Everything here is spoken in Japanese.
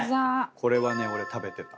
これはね俺食べてた。